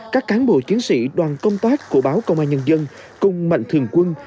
các cán bộ chiến sĩ đoàn công tác của báo công an nhân dân cùng mạnh thường quân